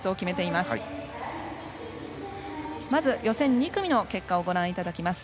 まず予選２組の結果をご覧いただきます。